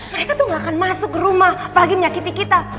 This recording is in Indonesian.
mereka tuh gak akan masuk ke rumah apalagi menyakiti kita